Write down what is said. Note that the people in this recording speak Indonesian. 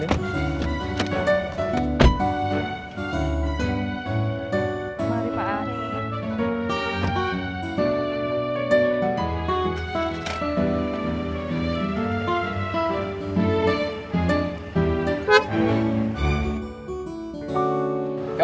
mari pak arief